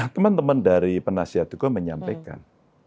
teman teman dari penasihat hukum menyampaikan